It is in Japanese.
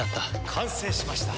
完成しました。